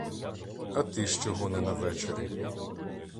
А ти ж чого не на вечорі?